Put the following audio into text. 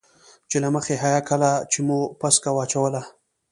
چې له مخې حيا کله چې مو پسکه واچوله.